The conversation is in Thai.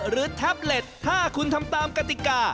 แท็บเล็ตถ้าคุณทำตามกติกา